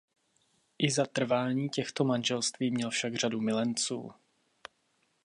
I za trvání těchto manželství měl však řadu milenců.